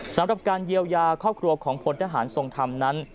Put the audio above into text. สำหรับการเยียวยาครอบครัวของพลทหารทรงธรรมนั้น